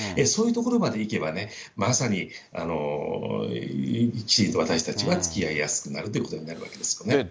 そういうところまでいけばね、まさに、私たちはつきあいやすくなるということになるわけですね。